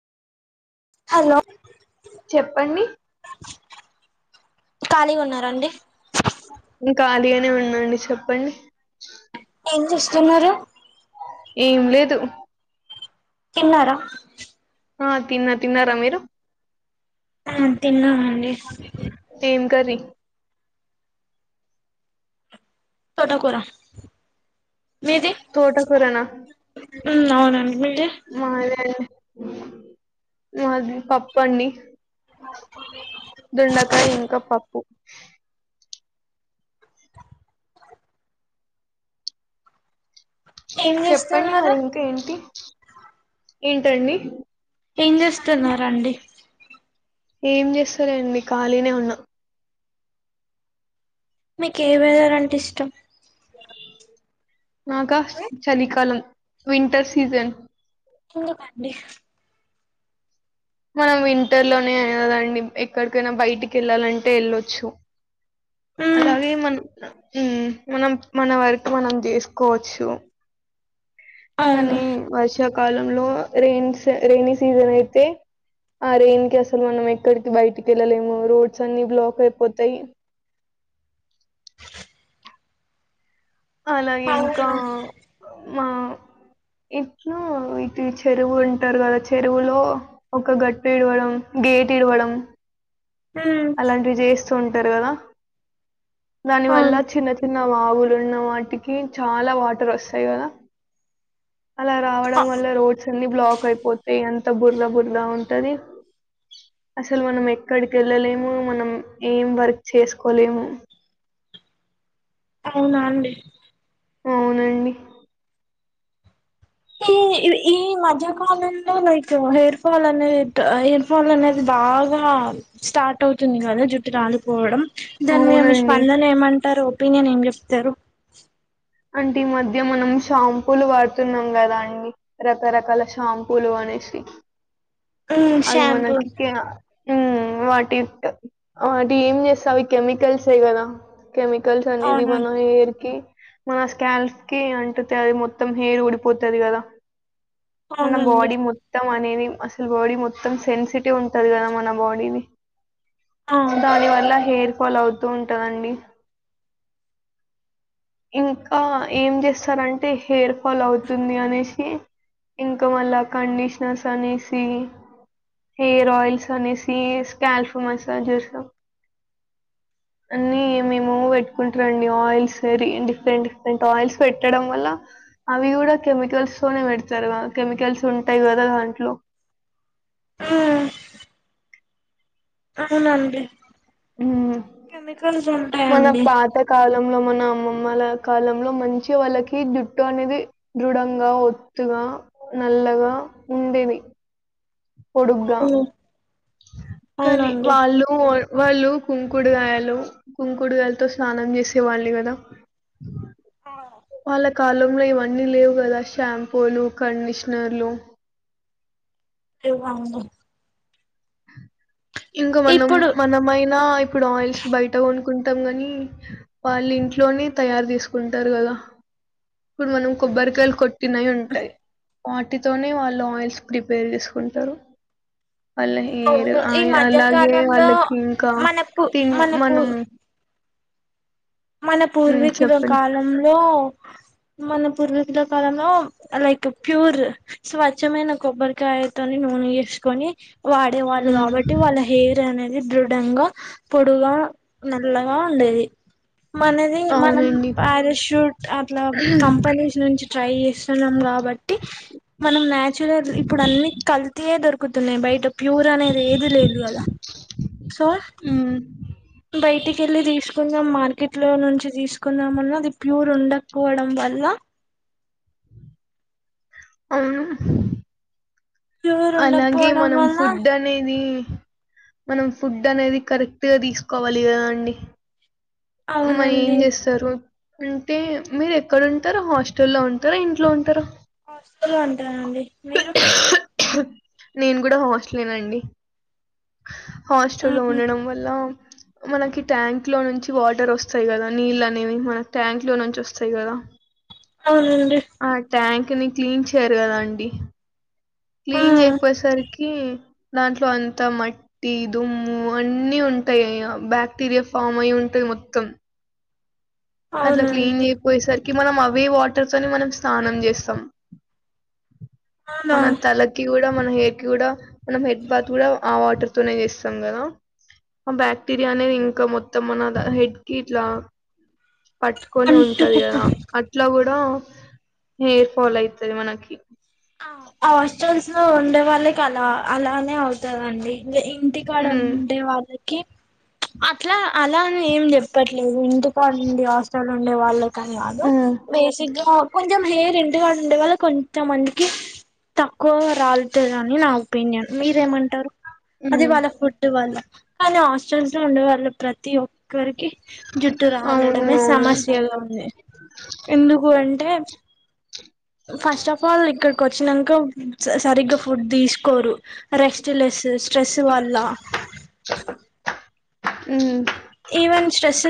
hello చెప్పండి ఖాళీగా ఉన్నరా అండి ఇం ఖాళీగానే ఉన్నాండి చెప్పండి ఏం చేస్తున్నారు ఏం లేదు తిన్నారా ఆ తిన్న తిన్నారా మీరు తిన్నాము అండి ఏం కర్రీ తోట కూర తోట ఫరనా అవునండి మీది మాద మాది పప్పండి ఓే దుండకాయ ఇంకా పప్పు ఏం చెప్పండి చేస్తున్నారు మరి ఇంకా ఏంటి ఏంటండి ఏం చేస్తున్నండి ఏం చేస్తారండి ఖాళీనే ఉన్నా మీకు ఏ విధాల అంటే ఇష్టం నాగా చలికాలం వింటర్ సీజన్ ఇంగ ఫండి మనం వింటర్ లోనే అయి కదండి ఎక్కడికైనా బయటికి వెళ్ళాలంటే వెళ్ళొచ్చు మ్మ్ అలాగే మన మనం మన వరకు మనం చేసుకోవచ్చు అవును కానీ వర్షాకాలంలో రైన్ రైైన సీజన్ అయితే ఆ రెయిన్ కి అసలు మనం ఎక్కడికి బయటికి వెళ్ళలేము రోడ్స్ అన్ని బ్లాక్ అయిపోతాయి అలాగే ఇంకా అవునా మా ఇట్లు ఇటు చెరువు ఉంటారు కదా చెరువులో ఒక గట్టి ఇడవడం గేట్ ఇడవడం మ్మ్ అలాంటివి చేస్తూ ఉంటారు కదా దాని వల్ల అవును చిన్న చిన్న నా ఆగులు ఉన్న వాటికి చాలా వాటర్ వస్తాయి కదా అలా రావడం వల్ల రోడ్స్ బ్లాక్ అయిపోతాయి ఎంత బురద బురద ఉంటది అసలు మనం ఎక్కడికి వెళ్ వెళ్లలేము మనం ఏం వర్క్ చేసుకోలేము అవునా అండి అవునండి హ ఈ మధ్యకాలంలో లైక్ హెయిర్ ఫాల్ అనేది హెయిర్ ఫాల్ అనేది బాగా స్టార్ట్ అవుతుంది కదా జుట్టు రాలిపోవడం దాని మీరు మీ అవునండి స్పందన ఏమంటారు ఒపీనియన్ ఏం చెప్తారు అంటే ఈ మధ్య మనం షాంపూలు వాడుతున్నాం కదా అండి రకరకాల షాంపూలు అనేవి సి ఉమ్ షాంపూ అవిిమానకిిక ఉ వాటి వాటి ఏం చేస్తావి కెమికల్సే కదా కెమికల్స్ అనేది అవునండి బనర్కి మన స్కాల్స్ కి అంట అది మొత్తం హెయిర్ ఊడిపోతుంది కదా మన అవునండి బాడీ మొత్తం అనేది అసలు బాడీ మొత్తం మొత్తం సెన్సిటివ్ ఉంటంది కదా మన బాడీని ఆ దాని వల్ల హెయిర్ ఫాలో అవుతూ ఉంటాదండి ఇంకా ఏం చేస్తారంటే హెయిర్ ఫాల్ అవుతుంది అనేసి ఇంకా మళ్ళా కండిషనర్స్ అనేసి హెయర్ ఆయిల్స్ అనే సి స్కల్ఫ మసాజస్ అన్నీ మేము ట్టు డిఫరెంట్ ఫరెంట్ ఆల్స్ పె వల్ అ కూడా కెమికల్స్ తోనే పెడతారు కద కెమికల్స్ ఉంటాయి కదా దాంట్లో ఆ అవునండి ఉమ్, కెమికల్స్ మన ఉంటాయంండి పాత కాలంలో మన హ అమ్మమ్మల కాలంలో మంచి వాళ్ళకి జుట్టు అనేది దృఢంగా ఒత్తుగా నల్ల గా ఉండేవి పొడుగ్గా అవును కానీ అవునండి వాళ్ళు వాళ్ళు కుంకుడుగాయలు కుంకుడుగాయలతో స్నానం చేసే వాళ్ళు కదా ఆ, వాలా కాలంలో ఇవన్నీ లేవు కదా షాంపూలు కండిషనర్లు లేవు అవును ఇంకా మనం ఇప్పుడు మనమైనా ఇప్పుడు ఆయిల్స్ బయట కొను కుంటాం గని వాళ్ళు ఇంట్లోనే తయారు చేసుకుంటారు కదా ఇప్పుడు మనం కొబ్బర్ కాయలు కోట్ టినయి ఉంటాయి వాటితోనే వాళ్ళు ఆయిల్స్ ప్రిపేర్ చేసుకుంటారు వాళ్ళ హెయిర్ అవును ఈ ఆయిల్ అలాగే మధ్యకాలంలో వాళ్ళకి ఇంకా మనకు తిన్ మనకు మనం మన ఉమ్ పూర్వీకుల చెప్పండి కాలంలో మన పూర్వీకుల కాలంలో లైక్ ప్యూర్ స్వచ్ఛమైన కొబ్బరికాయతోని నువ్ ఇర్చుకొని వాడే వాళ్ళు ఉమ్ కాబట్టి వాళ్ళ హెయిర్ అనే ది దృఢంగా పొడుగా నల్లగా ఉండేది మనది మనం అవునండి పారాషూట్ అట్లా కంపెనీస్ నుంచి ట్రై చేస్తున్నాం కాబట్టి మనం నాచురల్ ఇప్పుడు అన్ని కల్తయే దొరుకుతున్నాయి బయట ప్యూర్ అనేది ఏది లేది కదా సో ఉమ్ బయటికి వెళ్ళి తీసుకుందాం మార్కెట్ లో నుంచి తీసుకుందాం అన్న అది ప్యూర్ ఉండకపోవడం వల్ ల్ల అవును ప్యూర్ అలాగే ఉండకపోవడం మనం వల్ల ఫుడ్ అనేది మనం ఫుడ్ అనేది కరెక్ట్ గా తీసుకోవాలి కదా అండి మరి ఏం అవునండి చేస్తారు అంటే మీరు ఎక్కడ ఉంటారు హాస్టల్ల్లో ఉంటారా ఇంట్లో ఉంటారా హాస్టల్లో ఉంటానండి మీరు నేను కూడా హాస్టలేనండి హాస్టల్ లో అవునండి ఉండడం వల్ల మనకి ట్యాంక్ లో నుంచి వాటర్ వస్తాయి కదా నీళ్లు అనేవి మనకి ట్యాంక్ లో నుంచి వస్తాయి కదా అవునండి కని క్లీన్ చేయరు కదా అండి ఆ క్లీన్ చేయికపోయేసరికి దాంట్లో అంతా మట్టి దుమ్ము అన్ని ఉంటాయి బాక్టీరియా ఫామ్ అయి ఉం టది మొత్తం అట్లా క్లీన్ అవునండి చేయిపోయేసరికి మనం అవే వాటర్ తోని మనం స్నానం చేస్తాం అవునా మన తలకి కూడా మన హెయిర్ కి కూడా మనం హెడ్ బాత్ కూడా ఆ వాటర్ తోనే చేస్తాం కదా ఆ బ్యాక్టీరియా అనేది ఇంకా మొత్తం మన హెడ్ కి ఇట్లా పట్టుకొని ఉంటది అంటుకుప్పు కదా అట్లా కూడా హెయిర్ ఫాల్ అయితది మనకి హాస్టల్స్ లో ఉండే వాళ్ళకి అలా అలానే అవుతదండి ఇంటికాడ ఉమ్ ఉండే వాళ్ళకి అట్లా అలాని ఏం చెప్పట్లేదు ఎందుకో అండి హాస్టల్లో ఉండే వాళ్ళ కని కాదు ఉమ్ బేసిక్ గా కొంచెం హెయిర్ ఇంటికాడ ఉండే వల్ల కొంచెం మంచి తక్కువ రాలతుదని నా ఒపీనియన్ మీరేమంటారు అది ఉమ్ వాళ్ళ ఫుడ్ వళ్ళ కానీ హాస్టల్స్ లో ఉండేవాళ్ళు ప్రతి ఒక్కరికి జుట్టు అవును రాలడమే అవును సమస్యగా ఉంది ఎందుకు అంటే ఫస్ట్ ఆఫ్ ఆల్ ఇక్కడికి వచ్చినాక సరిగ్గా ఫుడ్ తీస్ కోరు రెస్ట్ లెస్ స్ట్రెస్ వల్ల ఉ మ్ ఈవెన్ స్ట్రెస్